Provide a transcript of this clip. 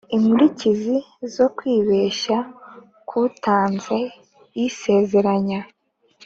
Inkurikizi zo kwibeshya k utanze isezeranya